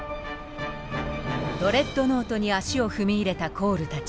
ドレッドノートに足を踏み入れたコールたち。